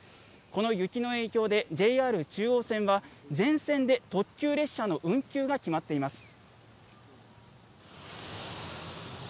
この雪の影響で、ＪＲ中央線は、全線で特急列車の運休が決まっています。